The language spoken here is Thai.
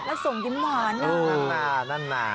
แล้วส่งยิ้มหวานนั่นหน้า